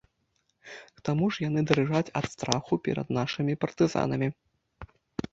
К таму ж яны дрыжаць ад страху перад нашымі партызанамі.